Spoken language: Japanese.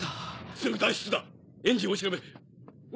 すぐ脱出だエンジンを調べる。